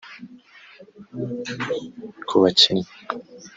Ku bakinnyi